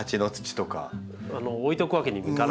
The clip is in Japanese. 置いておくわけにもいかない。